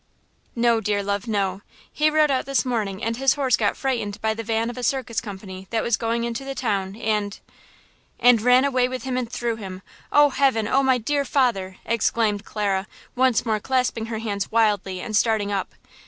"No, dear love–no. He rode out this morning and his horse got frightened by the van of a circus company that was going into the town, and–" "And ran away with him and threw him! Oh, heaven! Oh, my dear father!" exclaimed Clara, once more clasping her hands wildly, and starting up.